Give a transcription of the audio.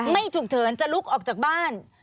ไม่ฉุกเฉินจะลุกออกจากบ้าน